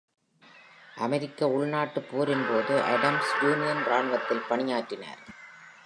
அமெரிக்க உள்நாட்டு போரின்போது Adams union ராணுவத்தில் பணியாற்றினார்.